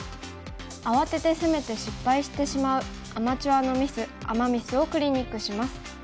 慌てて攻めて失敗してしまうアマチュアのミスアマ・ミスをクリニックします。